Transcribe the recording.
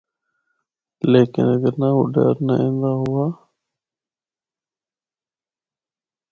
لیکن اگر نہ اُڈارنا ایندا ہوا۔